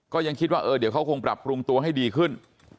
ก็ยังคิดว่าเดี๋ยวเขาคงปรับปรุงตัวให้ดีขึ้น